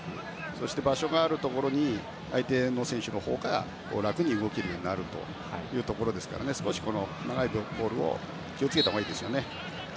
そして場所があるところに相手の選手のほうが楽に動けるようになるというところなので少し長いボールを気を付けたほうがいいですよね。